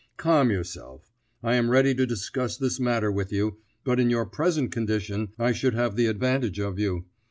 Calm yourself. I am ready to discuss this matter with you, but in your present condition I should have the advantage of you.